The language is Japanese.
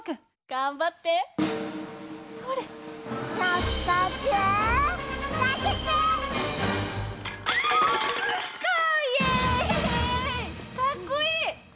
かっこいい！